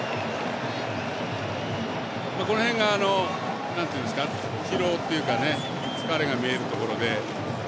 この辺が疲労というか疲れが見えるところで。